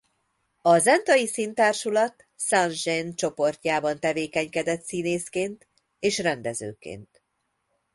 A zentai színtársulat Sans Géne csoportjában tevékenykedett színészként és rendezőként.